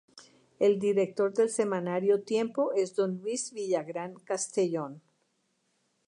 El director del semanario Tiempo es don Luis Villagrán Castellón.